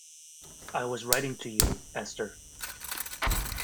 I was writing to you, Esther.